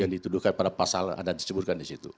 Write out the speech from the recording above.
yang dituduhkan pada pasal yang anda disebutkan di situ